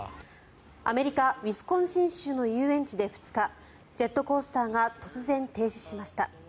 アメリカ・ウィスコンシン州の遊園地で２日ジェットコースターが突然、停止しました。